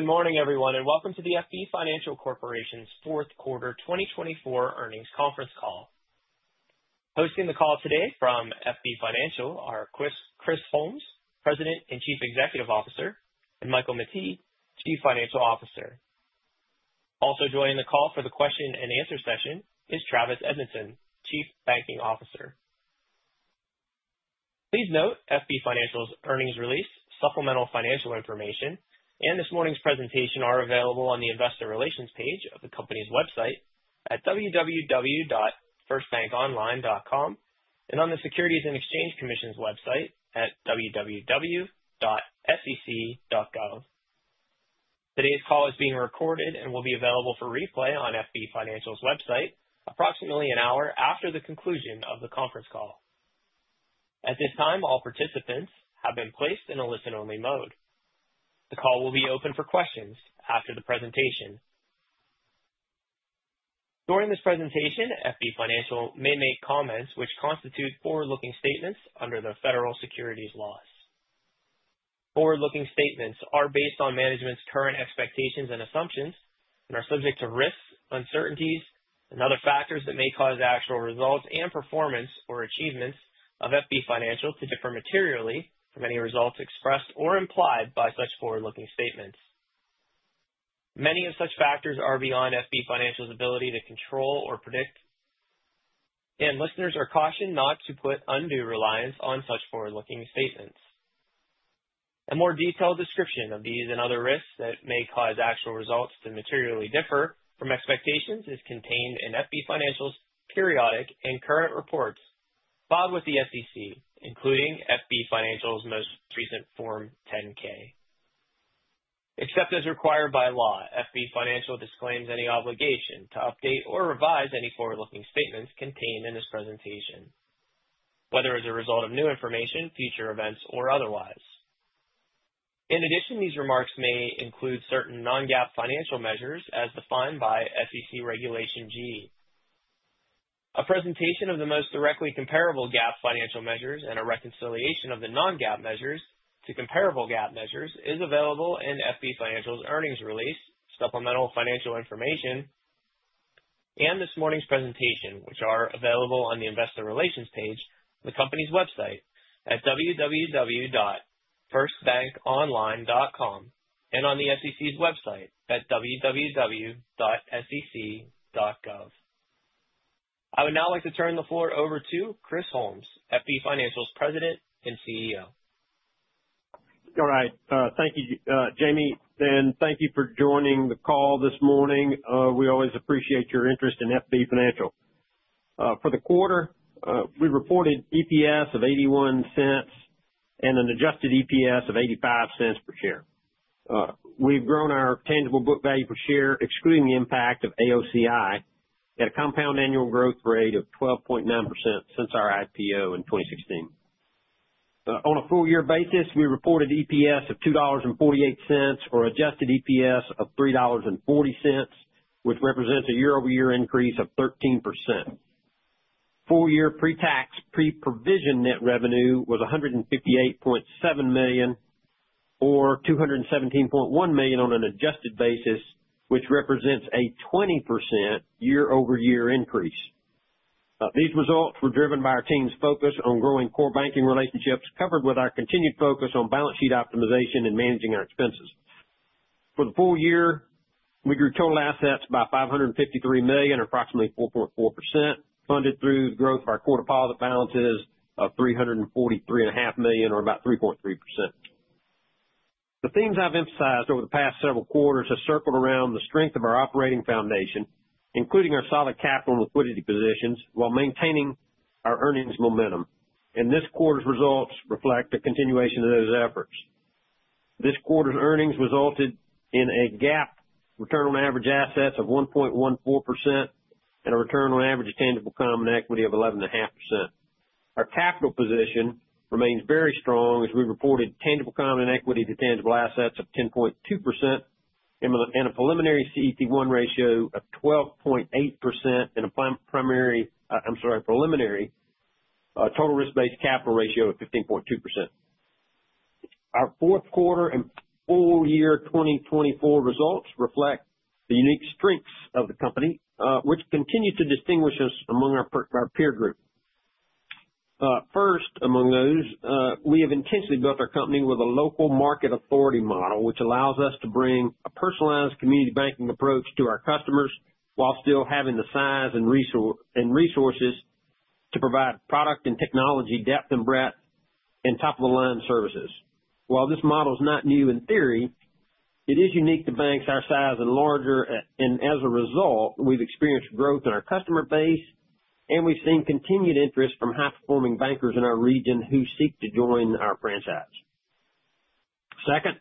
Good morning, everyone, and welcome to the FB Financial Corporation's Fourth Quarter 2024 Earnings Conference Call. Hosting the call today from FB Financial are Chris Holmes, President and Chief Executive Officer, and Michael Mettee, Chief Financial Officer. Also joining the call for the question-and-answer session is Travis Edmondson, Chief Banking Officer. Please note FB Financial's earnings release, supplemental financial information, and this morning's presentation are available on the Investor Relations page of the company's website at www.firstbankonline.com and on the Securities and Exchange Commission's website at www.sec.gov. Today's call is being recorded and will be available for replay on FB Financial's website approximately an hour after the conclusion of the conference call. At this time, all participants have been placed in a listen-only mode. The call will be open for questions after the presentation. During this presentation, FB Financial may make comments which constitute forward-looking statements under the federal securities laws. Forward-looking statements are based on management's current expectations and assumptions and are subject to risks, uncertainties, and other factors that may cause the actual results and performance or achievements of FB Financial to differ materially from any results expressed or implied by such forward-looking statements. Many of such factors are beyond FB Financial's ability to control or predict, and listeners are cautioned not to put undue reliance on such forward-looking statements. A more detailed description of these and other risks that may cause actual results to materially differ from expectations is contained in FB Financial's periodic and current reports filed with the SEC, including FB Financial's most recent Form 10-K. Except as required by law, FB Financial disclaims any obligation to update or revise any forward-looking statements contained in this presentation, whether as a result of new information, future events, or otherwise. In addition, these remarks may include certain non-GAAP financial measures as defined by SEC Regulation G. A presentation of the most directly comparable GAAP financial measures and a reconciliation of the non-GAAP measures to comparable GAAP measures is available in FB Financial's Earnings Release, Supplemental Financial Information, and this morning's presentation, which are available on the Investor Relations page on the company's website at www.firstbankonline.com and on the SEC's website at www.sec.gov. I would now like to turn the floor over to Chris Holmes, FB Financial's President and CEO. All right. Thank you, Jamie, and thank you for joining the call this morning. We always appreciate your interest in FB Financial. For the quarter, we reported EPS of $0.81 and an adjusted EPS of $0.85 per share. We've grown our tangible book value per share, excluding the impact of AOCI, at a compound annual growth rate of 12.9% since our IPO in 2016. On a full-year basis, we reported EPS of $2.48 or adjusted EPS of $3.40, which represents a year-over-year increase of 13%. Full-year pre-tax pre-provision net revenue was $158.7 million or $217.1 million on an adjusted basis, which represents a 20% year-over-year increase. These results were driven by our team's focus on growing core banking relationships, covered with our continued focus on balance sheet optimization and managing our expenses. For the full year, we grew total assets by $553 million, approximately 4.4%, funded through the growth of our core deposit balances of $343.5 million, or about 3.3%. The themes I've emphasized over the past several quarters have circled around the strength of our operating foundation, including our solid capital and liquidity positions, while maintaining our earnings momentum. And this quarter's results reflect a continuation of those efforts. This quarter's earnings resulted in a GAAP return on average assets of 1.14% and a return on average tangible common equity of 11.5%. Our capital position remains very strong as we reported tangible common equity to tangible assets of 10.2% and a preliminary CET1 ratio of 12.8% and a primary - I'm sorry, preliminary total risk-based capital ratio of 15.2%. Our fourth quarter and full-year 2024 results reflect the unique strengths of the company, which continue to distinguish us among our peer group. First, among those, we have intensely built our company with a local market authority model, which allows us to bring a personalized community banking approach to our customers while still having the size and resources to provide product and technology depth and breadth and top-of-the-line services. While this model is not new in theory, it is unique to banks our size and larger, and as a result, we've experienced growth in our customer base, and we've seen continued interest from high-performing bankers in our region who seek to join our franchise. Second,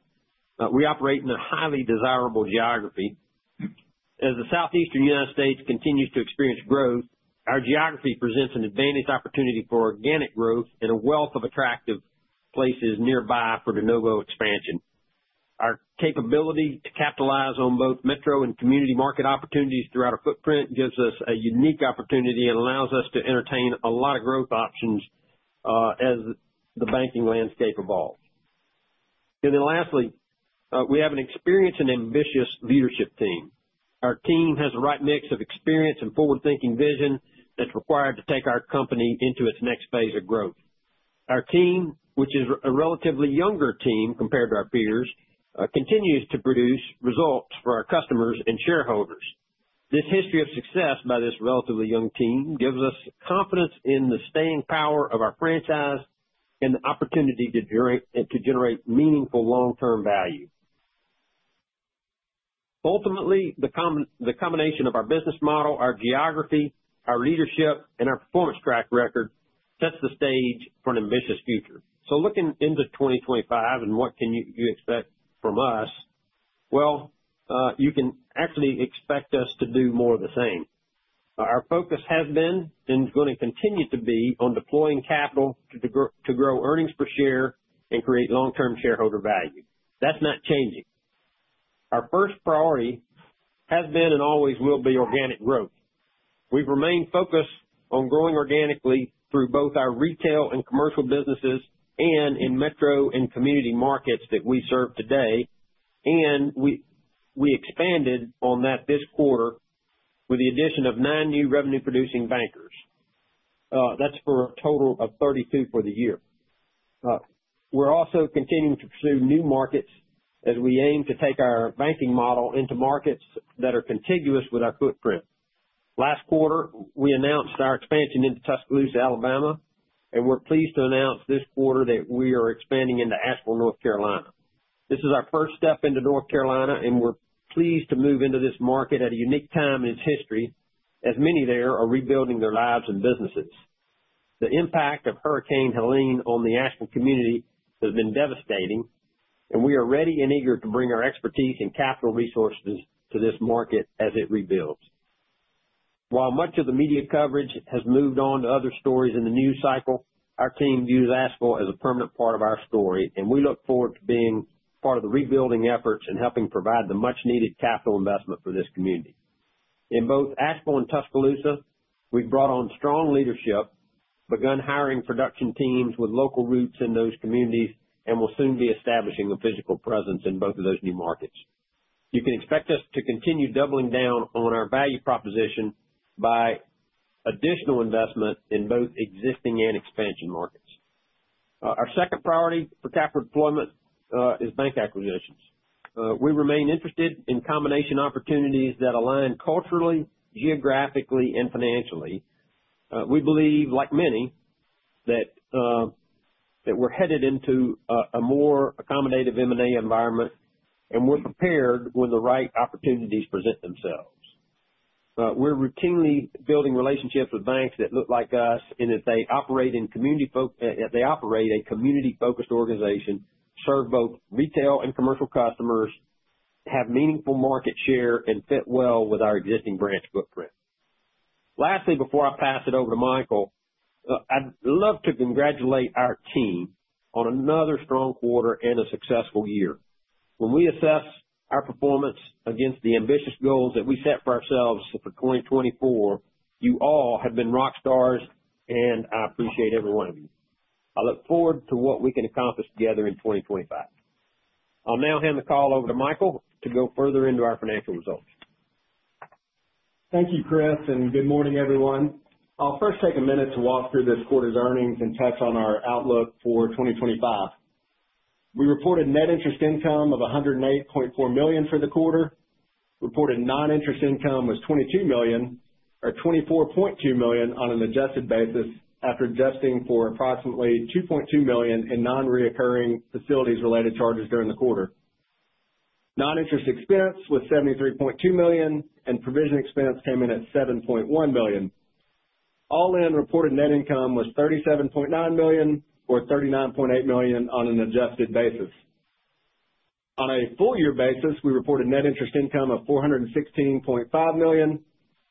we operate in a highly desirable geography. As the Southeastern United States continues to experience growth, our geography presents an advantaged opportunity for organic growth and a wealth of attractive places nearby for de novo expansion. Our capability to capitalize on both metro and community market opportunities throughout our footprint gives us a unique opportunity and allows us to entertain a lot of growth options as the banking landscape evolves. And then lastly, we have an experienced and ambitious leadership team. Our team has the right mix of experience and forward-thinking vision that's required to take our company into its next phase of growth. Our team, which is a relatively younger team compared to our peers, continues to produce results for our customers and shareholders. This history of success by this relatively young team gives us confidence in the staying power of our franchise and the opportunity to generate meaningful long-term value. Ultimately, the combination of our business model, our geography, our leadership, and our performance track record sets the stage for an ambitious future. Looking into 2025 and what can you expect from us, well, you can actually expect us to do more of the same. Our focus has been and is going to continue to be on deploying capital to grow earnings per share and create long-term shareholder value. That's not changing. Our first priority has been and always will be organic growth. We've remained focused on growing organically through both our retail and commercial businesses and in metro and community markets that we serve today, and we expanded on that this quarter with the addition of nine new revenue-producing bankers. That's for a total of 32 for the year. We're also continuing to pursue new markets as we aim to take our banking model into markets that are contiguous with our footprint. Last quarter, we announced our expansion into Tuscaloosa, Alabama, and we're pleased to announce this quarter that we are expanding into Asheville, North Carolina. This is our first step into North Carolina, and we're pleased to move into this market at a unique time in its history as many there are rebuilding their lives and businesses. The impact of Hurricane Helene on the Asheville community has been devastating, and we are ready and eager to bring our expertise and capital resources to this market as it rebuilds. While much of the media coverage has moved on to other stories in the news cycle, our team views Asheville as a permanent part of our story, and we look forward to being part of the rebuilding efforts and helping provide the much-needed capital investment for this community. In both Asheville and Tuscaloosa, we've brought on strong leadership, begun hiring production teams with local roots in those communities, and will soon be establishing a physical presence in both of those new markets. You can expect us to continue doubling down on our value proposition by additional investment in both existing and expansion markets. Our second priority for capital deployment is bank acquisitions. We remain interested in combination opportunities that align culturally, geographically, and financially. We believe, like many, that we're headed into a more accommodative M&A environment, and we're prepared when the right opportunities present themselves. We're routinely building relationships with banks that look like us, and if they operate in community-focused organizations, serve both retail and commercial customers, have meaningful market share, and fit well with our existing branch footprint. Lastly, before I pass it over to Michael, I'd love to congratulate our team on another strong quarter and a successful year. When we assess our performance against the ambitious goals that we set for ourselves for 2024, you all have been rock stars, and I appreciate every one of you. I look forward to what we can accomplish together in 2025. I'll now hand the call over to Michael to go further into our financial results. Thank you, Chris, and good morning, everyone. I'll first take a minute to walk through this quarter's earnings and touch on our outlook for 2025. We reported net interest income of $108.4 million for the quarter. Reported non-interest income was $22 million or $24.2 million on an adjusted basis after adjusting for approximately $2.2 million in non-recurring facilities-related charges during the quarter. Non-interest expense was $73.2 million, and provision expense came in at $7.1 million. All in reported net income was $37.9 million or $39.8 million on an adjusted basis. On a full-year basis, we reported net interest income of $416.5 million.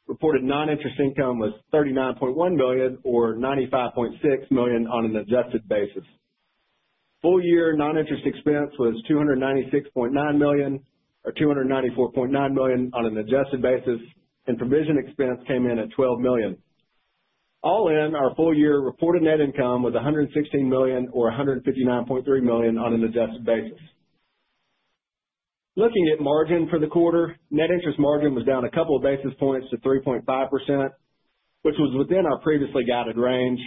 Reported non-interest income was $39.1 million or $95.6 million on an adjusted basis. Full-year non-interest expense was $296.9 million or $294.9 million on an adjusted basis, and provision expense came in at $12 million. All in, our full-year reported net income was $116 million or $159.3 million on an adjusted basis. Looking at margin for the quarter, net interest margin was down a couple of basis points to 3.5%, which was within our previously guided range,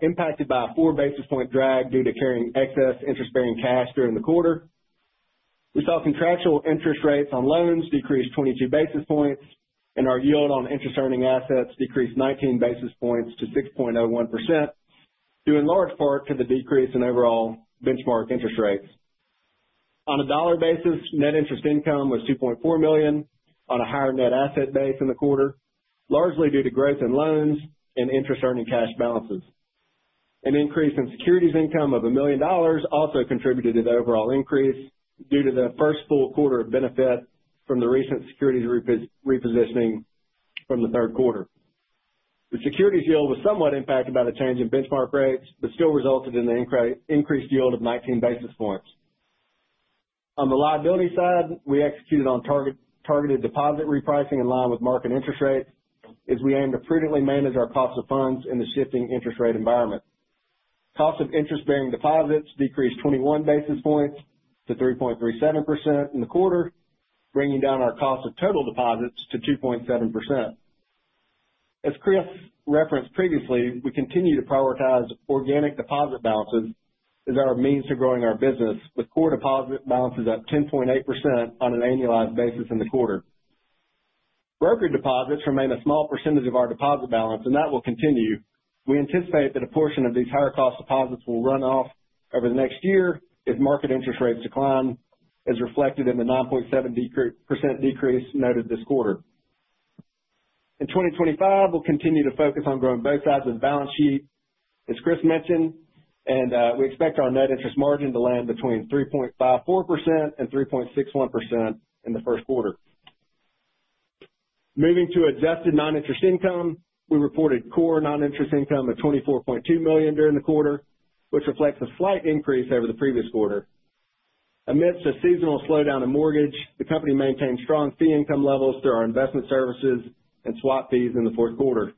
impacted by a four-basis-point drag due to carrying excess interest-bearing cash during the quarter. We saw contractual interest rates on loans decrease 22 basis points, and our yield on interest-earning assets decreased 19 basis points to 6.01%, due in large part to the decrease in overall benchmark interest rates. On a dollar basis, net interest income was $2.4 million on a higher net asset base in the quarter, largely due to growth in loans and interest-earning cash balances. An increase in securities income of $1 million also contributed to the overall increase due to the first full quarter of benefit from the recent securities repositioning from the third quarter. The securities yield was somewhat impacted by the change in benchmark rates but still resulted in an increased yield of 19 basis points. On the liability side, we executed on targeted deposit repricing in line with market interest rates as we aim to prudently manage our cost of funds in the shifting interest rate environment. Cost of interest-bearing deposits decreased 21 basis points to 3.37% in the quarter, bringing down our cost of total deposits to 2.7%. As Chris referenced previously, we continue to prioritize organic deposit balances as our means to growing our business, with core deposit balances at 10.8% on an annualized basis in the quarter. Brokered deposits remain a small percentage of our deposit balance, and that will continue. We anticipate that a portion of these higher-cost deposits will run off over the next year as market interest rates decline, as reflected in the 9.7% decrease noted this quarter. In 2025, we'll continue to focus on growing both sides of the balance sheet, as Chris mentioned, and we expect our net interest margin to land between 3.54% and 3.61% in the first quarter. Moving to adjusted non-interest income, we reported core non-interest income of $24.2 million during the quarter, which reflects a slight increase over the previous quarter. Amidst a seasonal slowdown in mortgage, the company maintained strong fee income levels through our investment services and swap fees in the fourth quarter.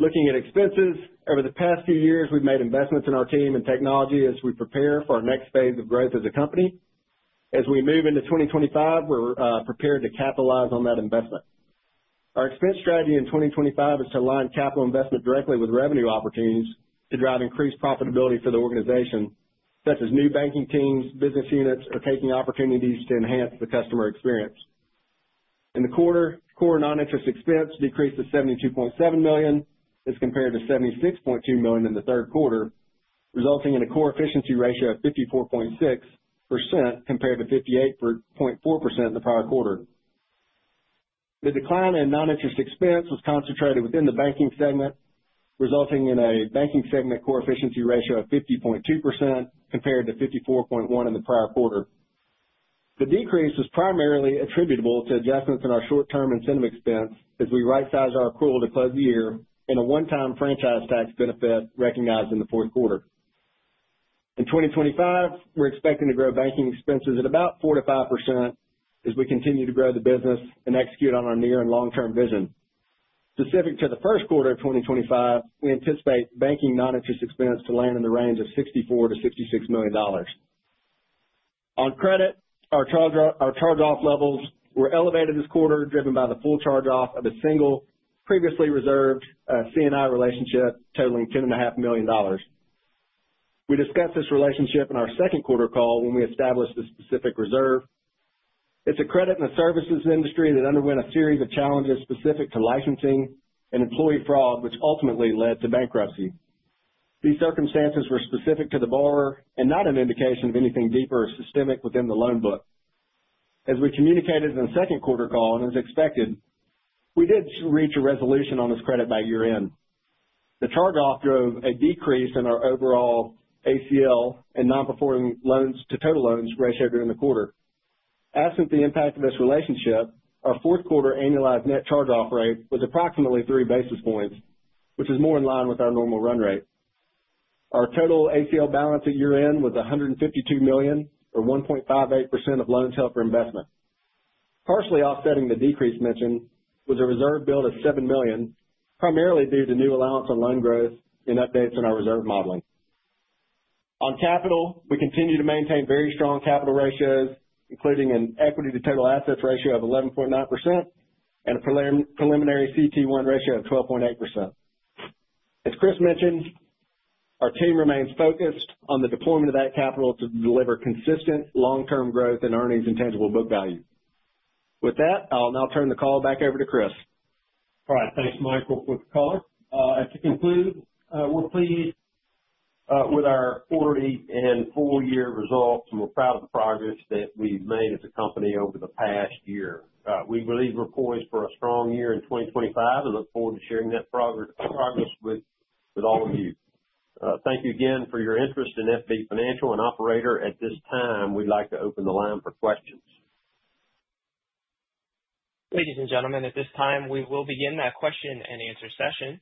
Looking at expenses, over the past few years, we've made investments in our team and technology as we prepare for our next phase of growth as a company. As we move into 2025, we're prepared to capitalize on that investment. Our expense strategy in 2025 is to align capital investment directly with revenue opportunities to drive increased profitability for the organization, such as new banking teams, business units, or taking opportunities to enhance the customer experience. In the quarter, core non-interest expense decreased to $72.7 million as compared to $76.2 million in the third quarter, resulting in a core efficiency ratio of 54.6% compared to 58.4% in the prior quarter. The decline in non-interest expense was concentrated within the Banking segment, resulting in a banking segment core efficiency ratio of 50.2% compared to 54.1% in the prior quarter. The decrease is primarily attributable to adjustments in our short-term incentive expense as we right-size our accrual to close the year and a one-time franchise tax benefit recognized in the fourth quarter. In 2025, we're expecting to grow banking expenses at about 4%-5% as we continue to grow the business and execute on our near and long-term vision. Specific to the first quarter of 2025, we anticipate banking non-interest expense to land in the range of $64 million-$66 million. On credit, our charge-off levels were elevated this quarter, driven by the full charge-off of a single previously reserved C&I relationship totaling $10.5 million. We discussed this relationship in our second quarter call when we established the specific reserve. It's a credit and a services industry that underwent a series of challenges specific to licensing and employee fraud, which ultimately led to bankruptcy. These circumstances were specific to the borrower and not an indication of anything deeper or systemic within the loan book. As we communicated in the second quarter call, and as expected, we did reach a resolution on this credit by year-end. The charge-off drove a decrease in our overall ACL and non-performing loans to total loans ratio during the quarter. Absent the impact of this relationship, our fourth quarter annualized net charge-off rate was approximately three basis points, which is more in line with our normal run rate. Our total ACL balance at year-end was $152 million, or 1.58% of loans held for investment. Partially offsetting the decrease mentioned was a reserve build of $7 million, primarily due to new allowance on loan growth and updates in our reserve modeling. On capital, we continue to maintain very strong capital ratios, including an equity-to-total assets ratio of 11.9% and a preliminary CET1 ratio of 12.8%. As Chris mentioned, our team remains focused on the deployment of that capital to deliver consistent long-term growth in earnings and tangible book value. With that, I'll now turn the call back over to Chris. All right. Thanks, Michael, for the call. As we conclude, we're pleased with our quarterly and full-year results, and we're proud of the progress that we've made as a company over the past year. We believe we're poised for a strong year in 2025 and look forward to sharing that progress with all of you. Thank you again for your interest in FB Financial. Operator. At this time, we'd like to open the line for questions. Ladies and gentlemen, at this time, we will begin the question and answer session.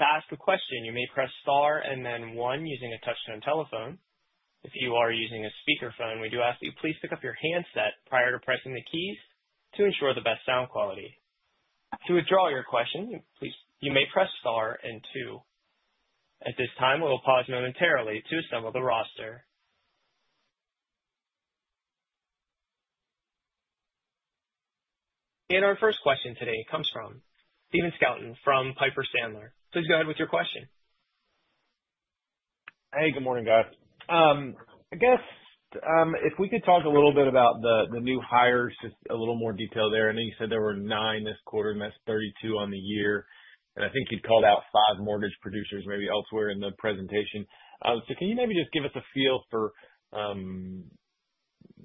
To ask a question, you may press star and then one using a touch-tone telephone. If you are using a speakerphone, we do ask that you please pick up your handset prior to pressing the keys to ensure the best sound quality. To withdraw your question, you may press star and two. At this time, we'll pause momentarily to assemble the roster. Our first question today comes from Stephen Scouten from Piper Sandler. Please go ahead with your question. Hey, good morning, guys. I guess if we could talk a little bit about the new hires, just a little more detail there. I know you said there were nine this quarter, and that's 32 on the year. And I think you'd called out five mortgage producers maybe elsewhere in the presentation. So can you maybe just give us a feel for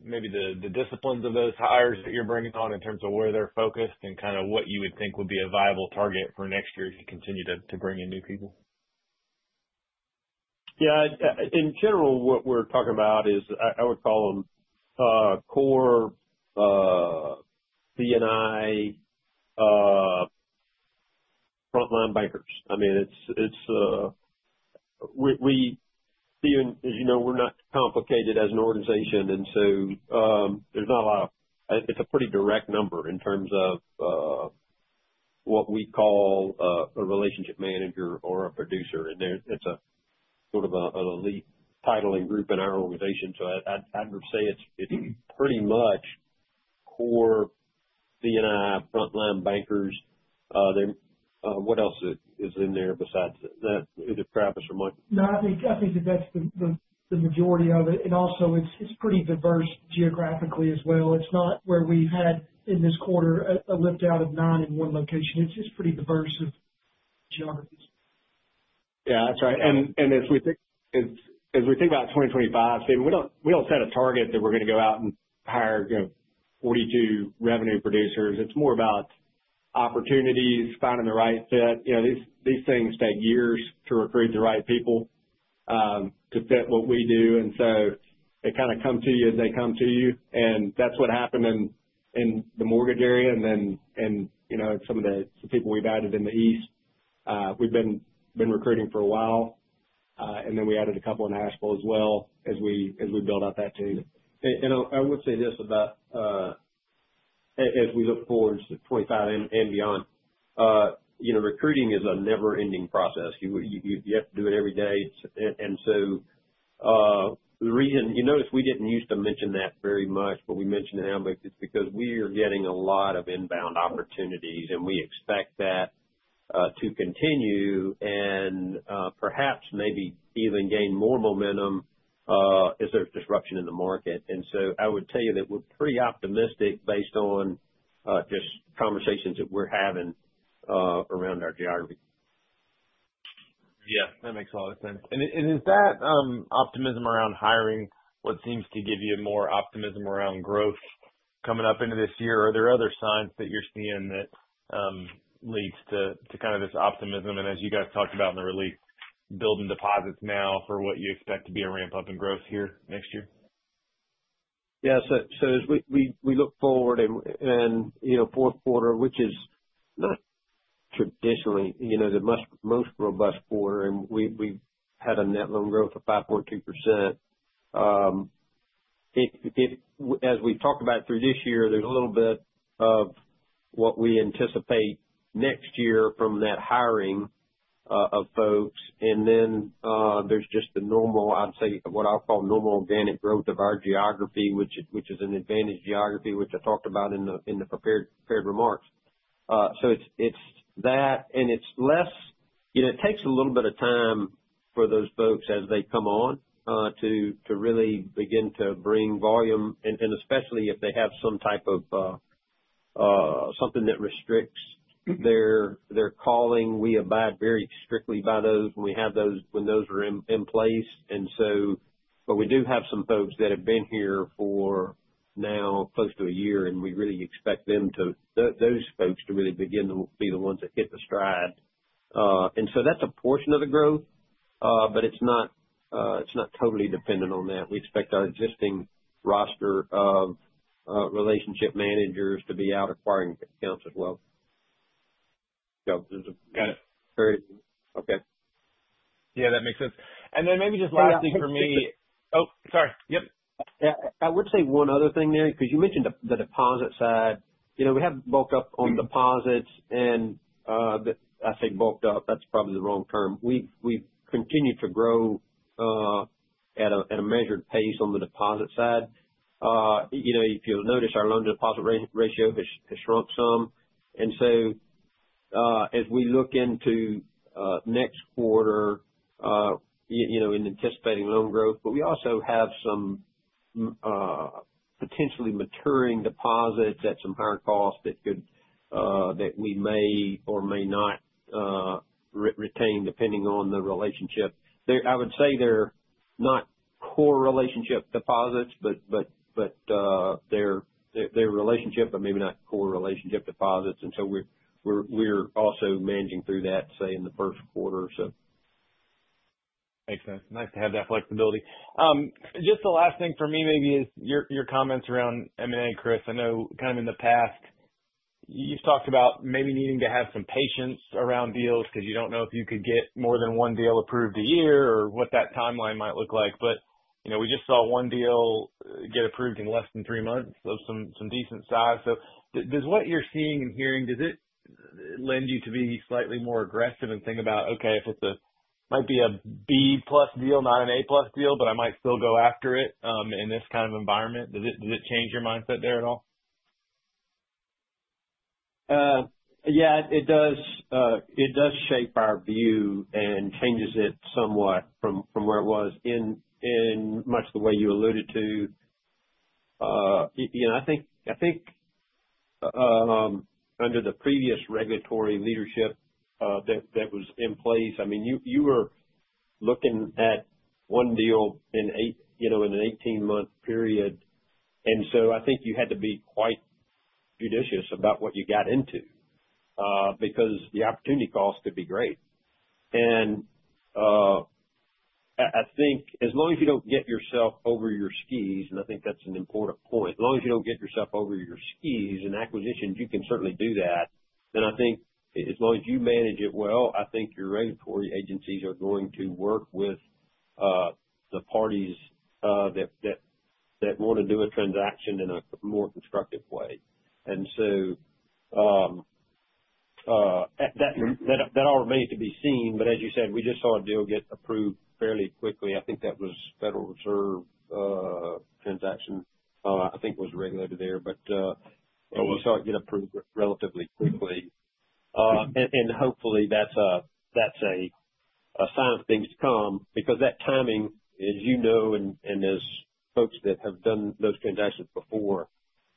maybe the disciplines of those hires that you're bringing on in terms of where they're focused and kind of what you would think would be a viable target for next year to continue to bring in new people? Yeah. In general, what we're talking about is, I would call them, core C&I frontline bankers. I mean, as you know, we're not complicated as an organization, and so there's not a lot of, it's a pretty direct number in terms of what we call a relationship manager or a producer. And it's sort of an elite title and group in our organization. So I'd say it's pretty much core C&I frontline bankers. What else is in there besides that? Is it Travis or Michael? No, I think that that's the majority of it. And also, it's pretty diverse geographically as well. It's not where we've had in this quarter a lift out of nine in one location. It's pretty diverse of geographies. Yeah, that's right. And as we think about 2025, Stephen, we don't set a target that we're going to go out and hire 42 revenue producers. It's more about opportunities, finding the right fit. These things take years to recruit the right people to fit what we do. And so they kind of come to you as they come to you. And that's what happened in the Mortgage area and some of the people we've added in the east. We've been recruiting for a while, and then we added a couple in Asheville as well as we build out that team. And I would say this about as we look forward to 2025 and beyond, recruiting is a never-ending process. You have to do it every day. And so the reason, you noticed we didn't used to mention that very much, but we mention it now because we are getting a lot of inbound opportunities, and we expect that to continue and perhaps maybe even gain more momentum if there's disruption in the market. And so I would tell you that we're pretty optimistic based on just conversations that we're having around our geography. Yeah, that makes a lot of sense. And is that optimism around hiring what seems to give you more optimism around growth coming up into this year? Are there other signs that you're seeing that leads to kind of this optimism? And as you guys talked about in the release, building deposits now for what you expect to be a ramp-up in growth here next year? Yeah. So as we look forward and fourth quarter, which is not traditionally the most robust quarter, and we've had a net loan growth of 5.2%. As we talk about through this year, there's a little bit of what we anticipate next year from that hiring of folks. And then there's just the normal, I'd say, what I'll call normal organic growth of our geography, which is an advantage geography, which I talked about in the prepared remarks. So it's that, and it's less, it takes a little bit of time for those folks as they come on to really begin to bring volume, and especially if they have some type of something that restricts their calling. We abide very strictly by those when we have those in place. And so, but we do have some folks that have been here for now close to a year, and we really expect those folks to really begin to be the ones that hit the stride. And so that's a portion of the growth, but it's not totally dependent on that. We expect our existing roster of relationship managers to be out acquiring accounts as well. Got it. Okay. Yeah, that makes sense, and then maybe just lastly for me, oh, sorry. Yep. I would say one other thing there because you mentioned the deposit side. We have bulked up on deposits, and I say bulked up, that's probably the wrong term. We've continued to grow at a measured pace on the deposit side. If you'll notice, our loan to deposit ratio has shrunk some, and so as we look into next quarter in anticipating loan growth, but we also have some potentially maturing deposits at some higher cost that we may or may not retain depending on the relationship. I would say they're not core relationship deposits, but they're relationship, but maybe not core relationship deposits, and so we're also managing through that, say, in the first quarter, so. Makes sense. Nice to have that flexibility. Just the last thing for me maybe is your comments around M&A, Chris. I know kind of in the past, you've talked about maybe needing to have some patience around deals because you don't know if you could get more than one deal approved a year or what that timeline might look like. But we just saw one deal get approved in less than three months of some decent size. So does what you're seeing and hearing, does it lend you to be slightly more aggressive and think about, "Okay, if it might be a B-plus deal, not an A-plus deal, but I might still go after it in this kind of environment"? Does it change your mindset there at all? Yeah, it does. It does shape our view and changes it somewhat from where it was in much the way you alluded to. I think under the previous regulatory leadership that was in place, I mean, you were looking at one deal in an 18-month period. And so I think you had to be quite judicious about what you got into because the opportunity cost could be great. And I think as long as you don't get yourself over your skis, and I think that's an important point, as long as you don't get yourself over your skis in acquisitions, you can certainly do that. And I think as long as you manage it well, I think your regulatory agencies are going to work with the parties that want to do a transaction in a more constructive way. And so that all remains to be seen. But as you said, we just saw a deal get approved fairly quickly. I think that was Federal Reserve transaction. I think it was regulated there, but we saw it get approved relatively quickly. And hopefully, that's a sign of things to come because that timing, as you know, and as folks that have done those transactions before,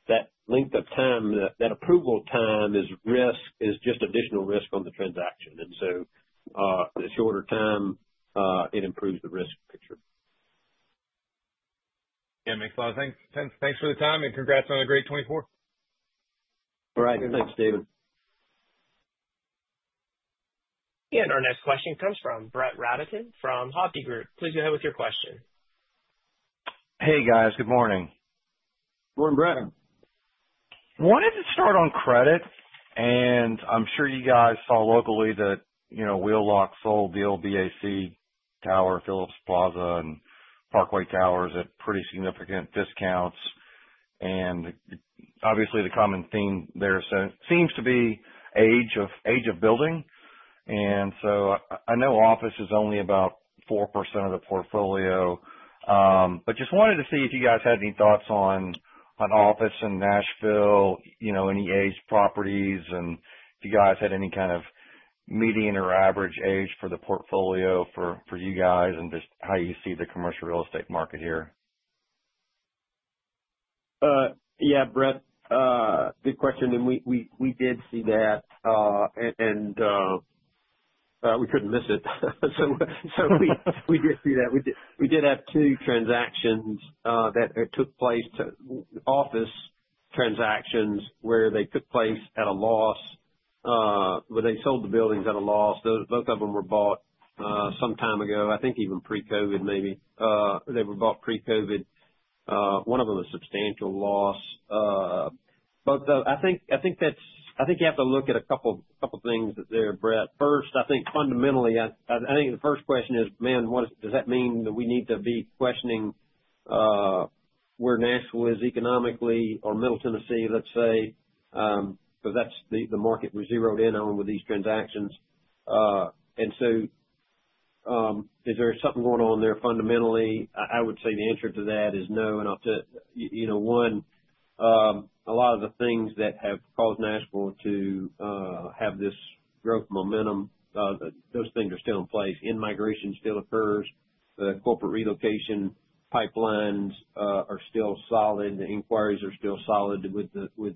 that length of time, that approval time is risk, is just additional risk on the transaction. And so the shorter time, it improves the risk picture. Yeah, makes a lot of sense. Thanks for the time, and congrats on a great 2024. All right. Thanks, Stephen. Our next question comes from Brett Rabatin from Hovde Group. Please go ahead with your question. Hey, guys. Good morning. Morning, Brett. Wanted to start on credit, and I'm sure you guys saw locally that Wheelock sold the old FAC Tower, Philips Plaza, and Parkway Towers at pretty significant discounts. And obviously, the common theme there seems to be age of building. And so I know office is only about 4% of the portfolio, but just wanted to see if you guys had any thoughts on office in Nashville, any age properties, and if you guys had any kind of median or average age for the portfolio for you guys and just how you see the commercial real estate market here. Yeah, Brett. Good question, and we did see that, and we couldn't miss it, so we did see that. We did have two transactions that took place, two office transactions where they took place at a loss, where they sold the buildings at a loss. Both of them were bought some time ago, I think even pre-COVID, maybe. They were bought pre-COVID. One of them was substantial loss. But I think that's, I think you have to look at a couple of things there, Brett. First, I think fundamentally, I think the first question is, man, does that mean that we need to be questioning where Nashville is economically or Middle Tennessee, let's say, because that's the market we zeroed in on with these transactions, and so is there something going on there fundamentally? I would say the answer to that is no. One, a lot of the things that have caused Nashville to have this growth momentum, those things are still in place. In-migration still occurs. The corporate relocation pipelines are still solid. The inquiries are still solid with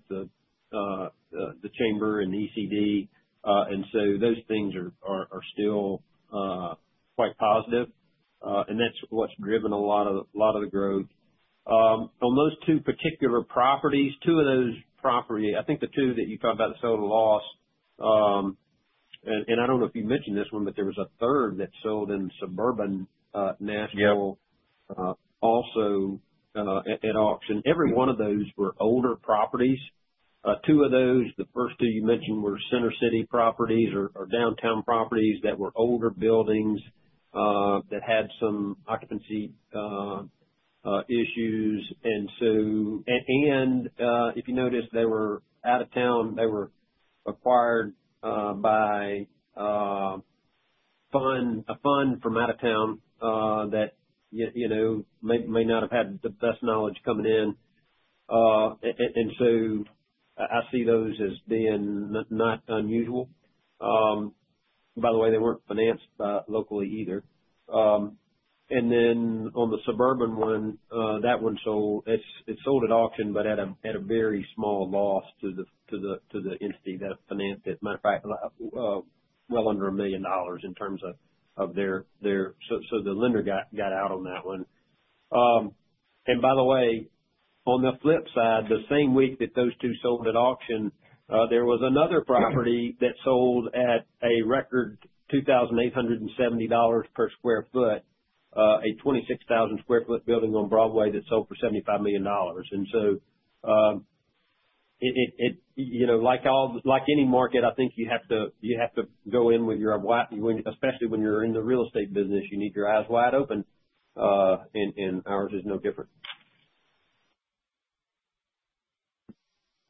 the chamber and the ECD. And so those things are still quite positive, and that's what's driven a lot of the growth. On those two particular properties, two of those properties, I think the two that you talked about that sold at a loss, and I don't know if you mentioned this one, but there was a third that sold in suburban Nashville also at auction. Every one of those were older properties. Two of those, the first two you mentioned, were center city properties or downtown properties that were older buildings that had some occupancy issues. And if you noticed, they were out of town. They were acquired by a fund from out of town that may not have had the best knowledge coming in. And so I see those as being not unusual. By the way, they weren't financed locally either. And then on the suburban one, that one sold at auction, but at a very small loss to the entity that financed it. As a matter of fact, well under a million dollars in terms of their, so the lender got out on that one. And by the way, on the flip side, the same week that those two sold at auction, there was another property that sold at a record $2,870 per sq ft, a 26,000-sq-ft building on Broadway that sold for $75 million. And so, like any market, I think you have to go in, especially when you're in the real estate business. You need your eyes wide open, and ours is no different.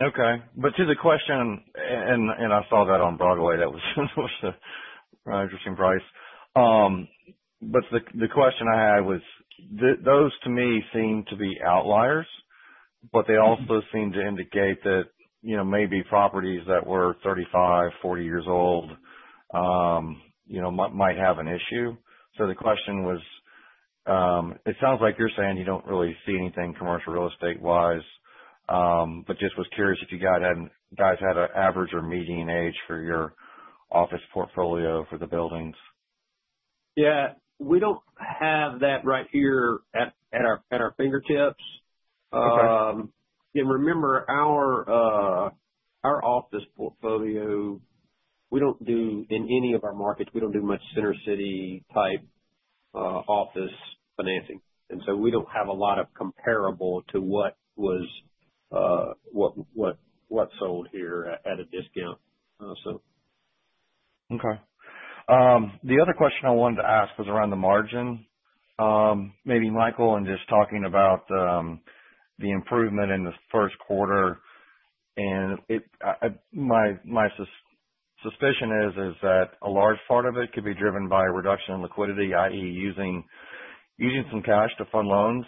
Okay. But to the question, and I saw that on Broadway. That was an interesting price. But the question I had was, those to me seem to be outliers, but they also seem to indicate that maybe properties that were 35-40 years old might have an issue. So the question was, it sounds like you're saying you don't really see anything commercial real estate-wise, but just was curious if you guys had an average or median age for your office portfolio for the buildings. Yeah. We don't have that right here at our fingertips. And remember, our office portfolio, we don't do in any of our markets, we don't do much center city-type office financing. And so we don't have a lot of comparables to what's sold here at a discount, so. Okay. The other question I wanted to ask was around the margin. Maybe Michael, and just talking about the improvement in the first quarter, and my suspicion is that a large part of it could be driven by a reduction in liquidity, i.e., using some cash to fund loans.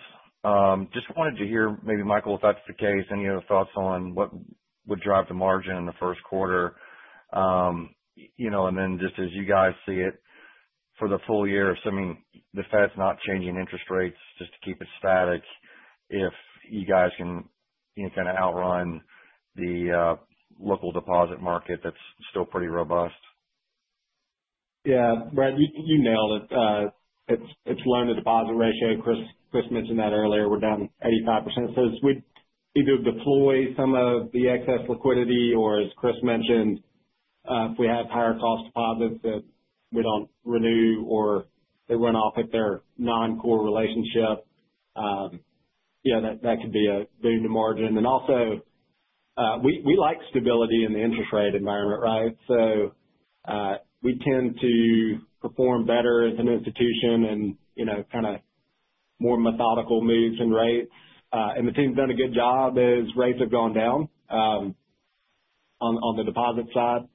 Just wanted to hear, maybe Michael, if that's the case, any other thoughts on what would drive the margin in the first quarter, and then just as you guys see it for the full year, assuming the Fed's not changing interest rates just to keep it static, if you guys can kind of outrun the local deposit market that's still pretty robust. Yeah. Brett, you nailed it. It's loan-to-deposit ratio. Chris mentioned that earlier. We're down 85%. So we either deploy some of the excess liquidity, or as Chris mentioned, if we have higher-cost deposits that we don't renew or they run off at their non-core relationship, yeah, that could be a boon to margin. And also, we like stability in the interest rate environment, right? So we tend to perform better as an institution in kind of more methodical moves in rates. And the team's done a good job as rates have gone down on the deposit side.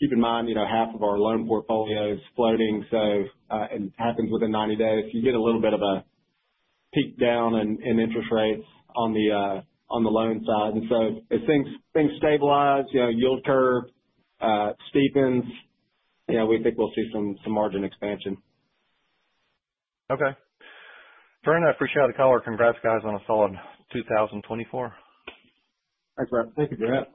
Keep in mind, half of our loan portfolio is floating, and it happens within 90 days. You get a little bit of a peak down in interest rates on the loan side. And so as things stabilize, yield curve steepens, we think we'll see some margin expansion. Okay, thank you. I appreciate the call. Or, congrats, guys, on a solid 2024. Thanks, Brett. Thank you, Brett.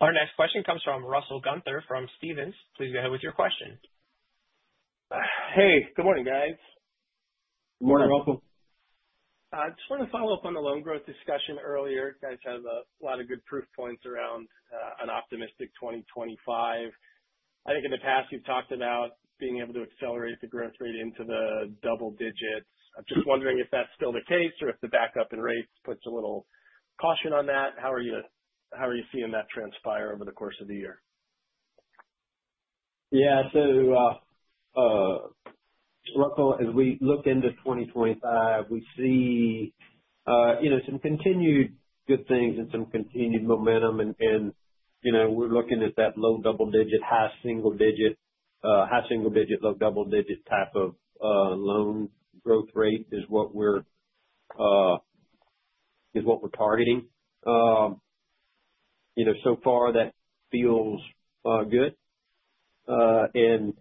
Our next question comes from Russell Gunther from Stephens. Please go ahead with your question. Hey. Good morning, guys. Good morning, Russell. I just want to follow up on the loan growth discussion earlier. You guys have a lot of good proof points around an optimistic 2025. I think in the past, you've talked about being able to accelerate the growth rate into the double digits. I'm just wondering if that's still the case or if the backup in rates puts a little caution on that. How are you seeing that transpire over the course of the year? Yeah. So Russell, as we look into 2025, we see some continued good things and some continued momentum. And we're looking at that low double digit, high single digit, high single digit, low double digit type of loan growth rate is what we're targeting. So far, that feels good. And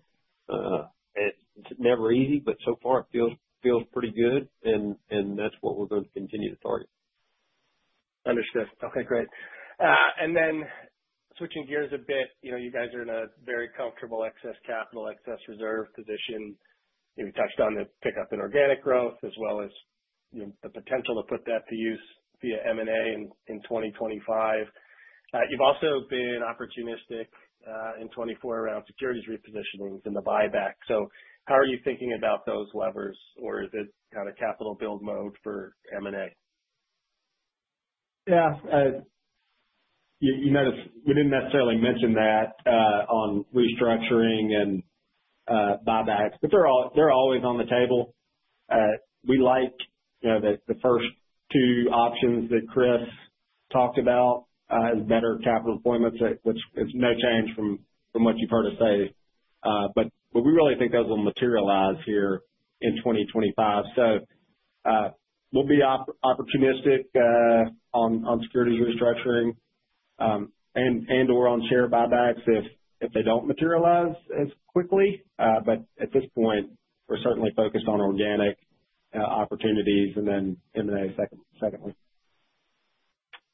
it's never easy, but so far, it feels pretty good, and that's what we're going to continue to target. Understood. Okay. Great. And then switching gears a bit, you guys are in a very comfortable excess capital, excess reserve position. You touched on the pickup in organic growth as well as the potential to put that to use via M&A in 2025. You've also been opportunistic in 2024 around securities repositionings and the buyback. So how are you thinking about those levers, or is it kind of capital build mode for M&A? Yeah. You noticed we didn't necessarily mention that on restructuring and buybacks, but they're always on the table. We like the first two options that Chris talked about as better capital deployments, which is no change from what you've heard us say. But we really think those will materialize here in 2025. So we'll be opportunistic on securities restructuring and/or on share buybacks if they don't materialize as quickly. But at this point, we're certainly focused on organic opportunities and then M&A secondly.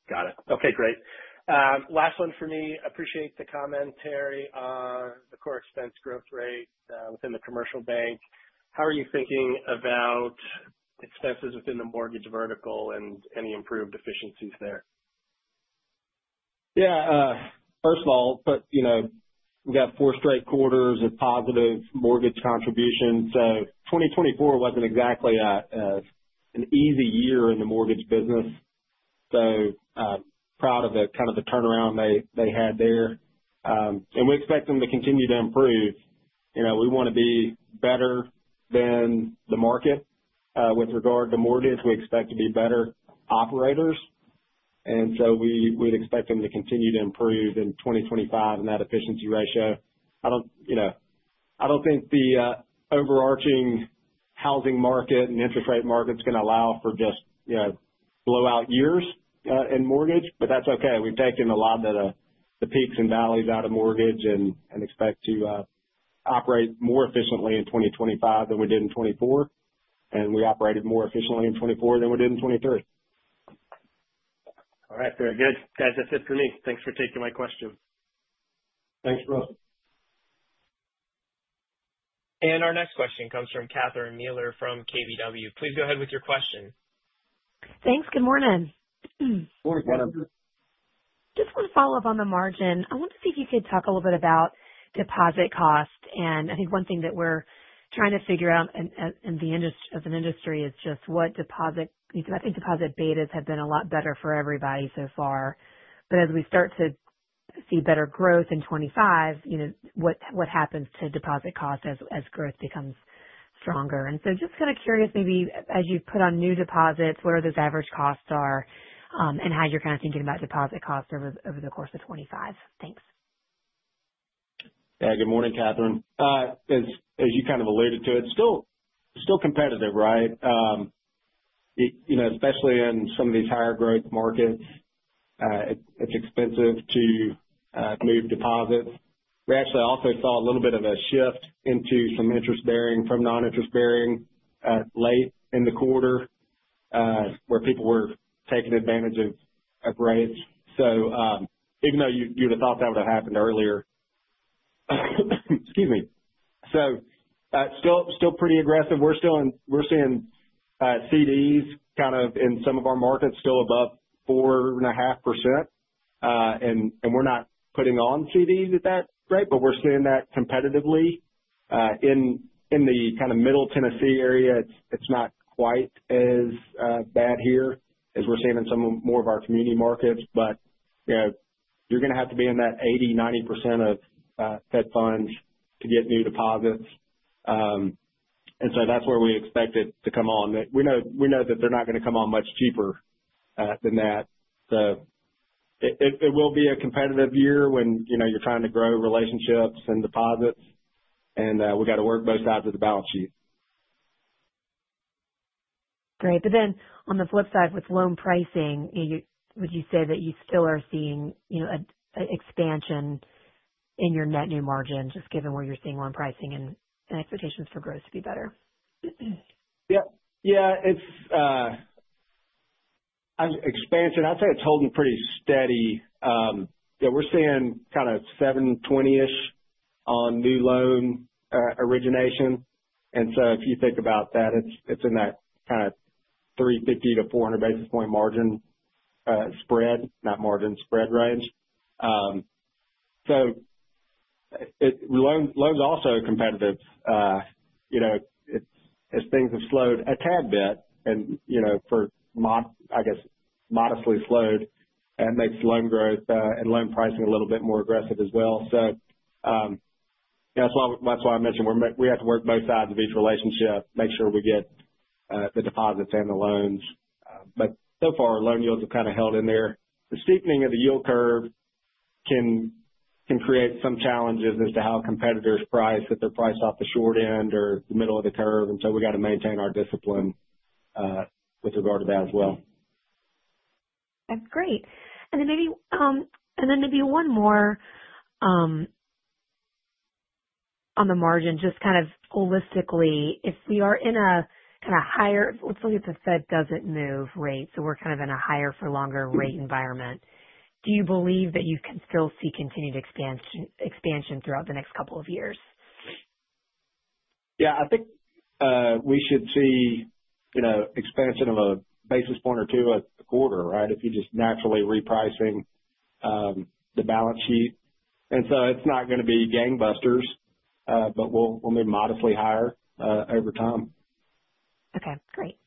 Got it. Okay. Great. Last one for me. Appreciate the commentary, on the core expense growth rate within the commercial bank. How are you thinking about expenses within the mortgage vertical and any improved efficiencies there? Yeah. First of all, we've got four straight quarters of positive mortgage contributions. So 2024 wasn't exactly an easy year in the Mortgage business. So proud of kind of the turnaround they had there. And we expect them to continue to improve. We want to be better than the market with regard to mortgage. We expect to be better operators. And so we'd expect them to continue to improve in 2025 in that efficiency ratio. I don't think the overarching housing market and interest rate market's going to allow for just blowout years in mortgage, but that's okay. We've taken a lot of the peaks and valleys out of mortgage and expect to operate more efficiently in 2025 than we did in 2024. And we operated more efficiently in 2024 than we did in 2023. All right. Very good. Guys, that's it for me. Thanks for taking my question. Thanks, Russell. Our next question comes from Catherine Mealor from KBW. Please go ahead with your question. Thanks. Good morning. Good morning, Catherine. Just want to follow up on the margin. I want to see if you could talk a little bit about deposit cost. And I think one thing that we're trying to figure out as an industry is just what deposit. I think deposit betas have been a lot better for everybody so far. But as we start to see better growth in 2025, what happens to deposit cost as growth becomes stronger? And so just kind of curious, maybe as you put on new deposits, what are those average costs are and how you're kind of thinking about deposit costs over the course of 2025? Thanks. Yeah. Good morning, Catherine. As you kind of alluded to, it's still competitive, right? Especially in some of these higher-growth markets, it's expensive to move deposits. We actually also saw a little bit of a shift into some interest-bearing from non-interest-bearing late in the quarter where people were taking advantage of rates. So even though you would have thought that would have happened earlier, excuse me, so still pretty aggressive. We're seeing CDs kind of in some of our markets still above 4.5%. And we're not putting on CDs at that rate, but we're seeing that competitively. In the kind of Middle Tennessee area, it's not quite as bad here as we're seeing in some more of our community markets. But you're going to have to be in that 80%-90% of Fed funds to get new deposits. And so that's where we expect it to come on. We know that they're not going to come on much cheaper than that. So it will be a competitive year when you're trying to grow relationships and deposits. And we've got to work both sides of the balance sheet. Great. But then on the flip side with loan pricing, would you say that you still are seeing an expansion in your net interest margin just given where you're seeing loan pricing and expectations for growth to be better? Yeah. Yeah. Expansion. I'd say it's holding pretty steady. We're seeing kind of 720-ish on new loan origination. And so if you think about that, it's in that kind of 350-400 basis point margin spread, not margin spread range. So loans are also competitive. As things have slowed a tad bit and for, I guess, modestly slowed, that makes loan growth and loan pricing a little bit more aggressive as well. So that's why I mentioned we have to work both sides of each relationship, make sure we get the deposits and the loans. But so far, loan yields have kind of held in there. The steepening of the yield curve can create some challenges as to how competitors price, if they're priced off the short end or the middle of the curve. And so we've got to maintain our discipline with regard to that as well. That's great. And then maybe one more on the margin, just kind of holistically. If we are in a kind of higher, let's look at the Fed doesn't move rate, so we're kind of in a higher-for-longer rate environment. Do you believe that you can still see continued expansion throughout the next couple of years? Yeah. I think we should see expansion of a basis point or two a quarter, right, if you're just naturally repricing the balance sheet. And so it's not going to be gangbusters, but we'll move modestly higher over time. Okay. Great.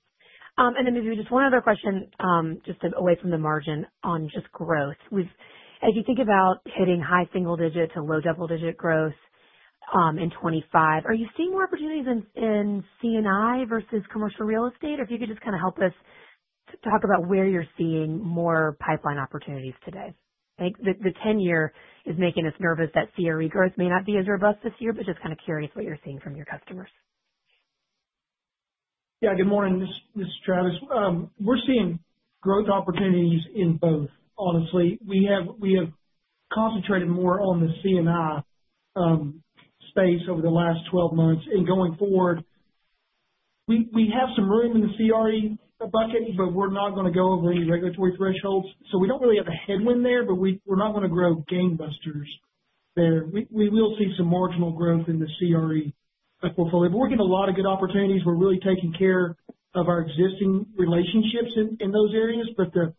And then maybe just one other question just away from the margin on just growth. As you think about hitting high single digit to low double digit growth in 2025, are you seeing more opportunities in C&I versus commercial real estate? Or if you could just kind of help us talk about where you're seeing more pipeline opportunities today. The 10-year is making us nervous that CRE growth may not be as robust this year, but just kind of curious what you're seeing from your customers. Yeah. Good morning. This is Travis. We're seeing growth opportunities in both, honestly. We have concentrated more on the C&I space over the last 12 months, and going forward, we have some room in the CRE bucket, but we're not going to go over any regulatory thresholds, so we don't really have a headwind there, but we're not going to grow gangbusters there. We will see some marginal growth in the CRE portfolio, but we're getting a lot of good opportunities. We're really taking care of our existing relationships in those areas, but the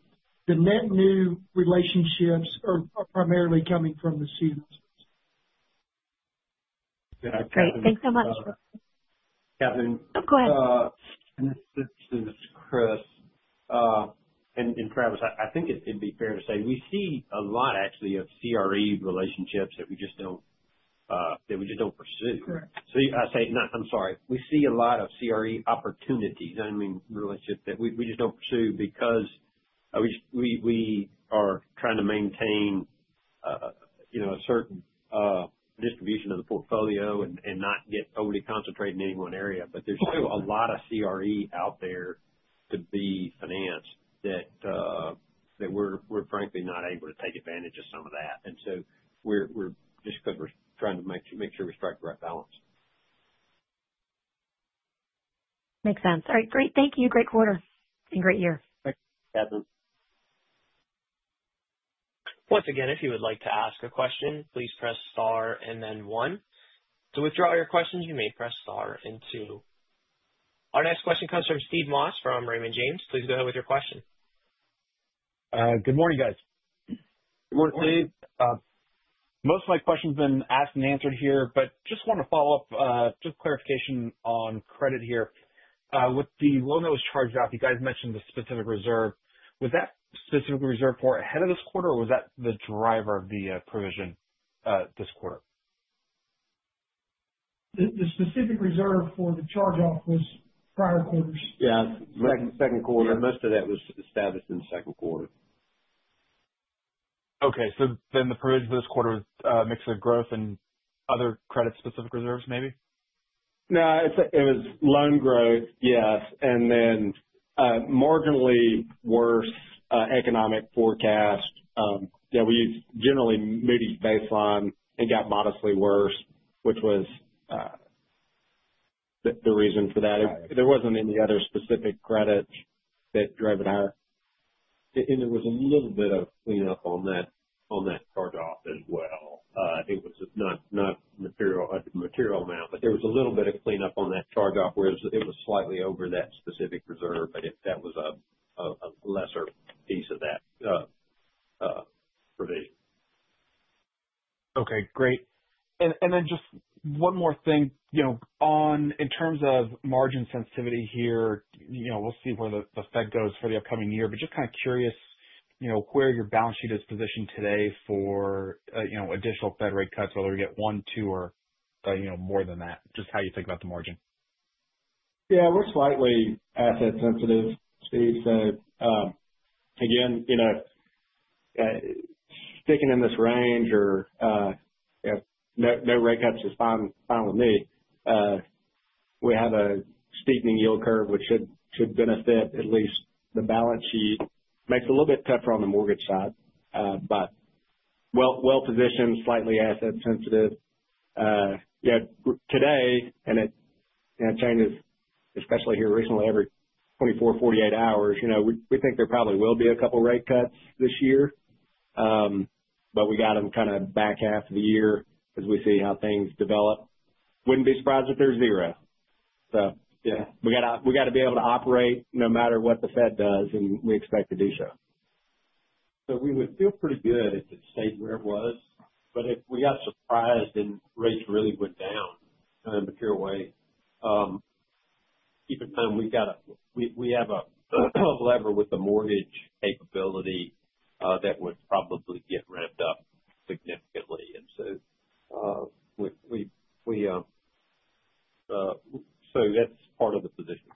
net new relationships are primarily coming from the C&I space. Great. Thanks so much. Catherine. Oh, go ahead. This is Chris. And Travis, I think it'd be fair to say we see a lot, actually, of CRE relationships that we just don't pursue. Correct. I'm sorry. We see a lot of CRE opportunities, I mean, relationships that we just don't pursue because we are trying to maintain a certain distribution of the portfolio and not get overly concentrated in any one area. But there's still a lot of CRE out there to be financed that we're, frankly, not able to take advantage of some of that. And so just because we're trying to make sure we strike the right balance. Makes sense. All right. Great. Thank you. Great quarter and great year. Thanks, Catherine. Once again, if you would like to ask a question, please press star and then one. To withdraw your questions, you may press star and two. Our next question comes from Steve Moss from Raymond James. Please go ahead with your question. Good morning, guys. Good morning, Steve. Good morning. Most of my questions have been asked and answered here, but I just want to follow up, just for clarification on credit here. With the loan that was charged off, you guys mentioned the specific reserve. Was that specific reserve built ahead of this quarter, or was that the driver of the provision this quarter? The specific reserve for the charge-off was prior quarters. Yeah. Second quarter. Most of that was established in the second quarter. Okay. So then the provision for this quarter was a mix of growth and other credit-specific reserves, maybe? No. It was loan growth, yes. And then marginally worse economic forecast. Yeah. We generally moved each baseline and got modestly worse, which was the reason for that. There wasn't any other specific credit that drove it higher. And there was a little bit of cleanup on that charge-off as well. I think it was just not a material amount, but there was a little bit of cleanup on that charge-off where it was slightly over that specific reserve, but that was a lesser piece of that provision. Okay. Great. And then just one more thing. In terms of margin sensitivity here, we'll see where the Fed goes for the upcoming year. But just kind of curious where your balance sheet is positioned today for additional Fed rate cuts, whether we get one, two, or more than that, just how you think about the margin? Yeah. We're slightly asset-sensitive, Steve. So again, sticking in this range or no rate cuts is fine with me. We have a steepening yield curve, which should benefit at least the balance sheet. Makes it a little bit tougher on the Mortgage side, but well-positioned, slightly asset-sensitive today, and it changes, especially here recently, every 24, 48 hours. We think there probably will be a couple of rate cuts this year. But we got them kind of back half of the year as we see how things develop. Wouldn't be surprised if they're zero. So yeah, we got to be able to operate no matter what the Fed does, and we expect to do so. So we would feel pretty good if it stayed where it was. But if we got surprised and rates really went down in a material way, keep in mind we have a lever with the mortgage capability that would probably get ramped up significantly. And so that's part of the position.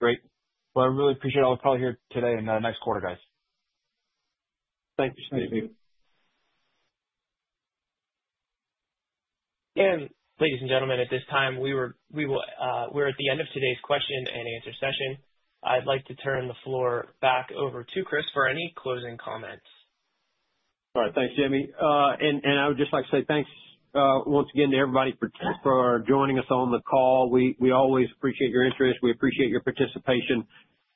Great. Well, I really appreciate all the call here today and the next quarter, guys. Thank you, Steve. And ladies and gentlemen, at this time, we're at the end of today's question and answer session. I'd like to turn the floor back over to Chris for any closing comments. All right. Thanks, Jamie. And I would just like to say thanks once again to everybody for joining us on the call. We always appreciate your interest. We appreciate your participation.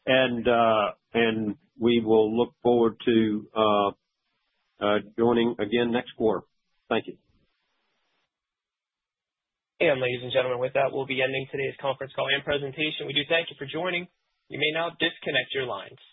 And we will look forward to joining again next quarter. Thank you. Ladies and gentlemen, with that, we'll be ending today's conference call and presentation. We do thank you for joining. You may now disconnect your lines.